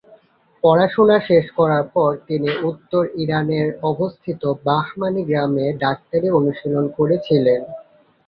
পড়াশোনা শেষ করার পর, তিনি উত্তর ইরানে অবস্থিত বাহমানি গ্রামে ডাক্তারি অনুশীলন করেছিলেন।